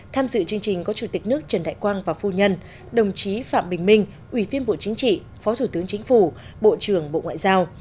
tham dự chương trình có chủ tịch nước trần đại quang và phu nhân đồng chí phạm bình minh ubnd phó thủ tướng chính phủ bộ trưởng bộ ngoại giao